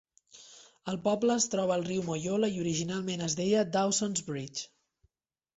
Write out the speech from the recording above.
El poble es troba al riu Moyola i originalment es deia "Dawson's Bridge".